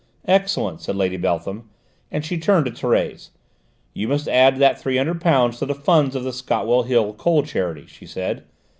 "Excellent," said Lady Beltham, and she turned to Thérèse. "You must add that three hundred pounds to the funds of the Scotwell Hill coal charity," she said.